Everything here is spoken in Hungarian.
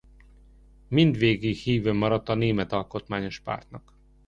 Mindvégig híve maradt a német alkotmányos pártnak.